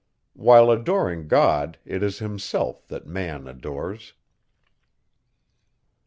While adoring God, it is himself, that man adores.